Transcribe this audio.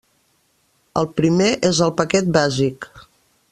El primer és el paquet bàsic.